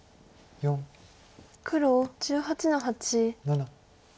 黒１８の八。